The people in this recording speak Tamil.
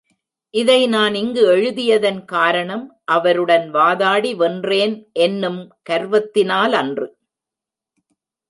இதை நான் இங்கு எழுதியதன் காரணம், அவருடன் வாதாடி வென்றேன் என்னும் கர்வத்தினாலன்று.